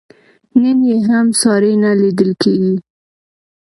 نن یې هم ساری نه لیدل کېږي.